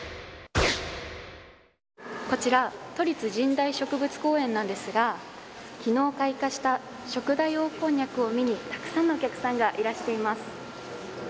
こちら都立代植物公園なんですが昨日、開花したショクダイオオコンニャクを見にたくさんのお客さんがいらしています。